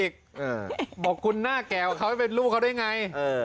ด้วยไงเอ่อสุดท้าย